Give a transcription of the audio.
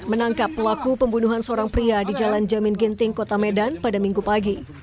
menangkap pelaku pembunuhan seorang pria di jalan jamin ginting kota medan pada minggu pagi